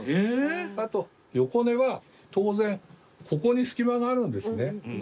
あと横寝は当然ここに隙間があるんですね。